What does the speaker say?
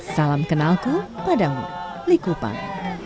salam kenalku padamu likupang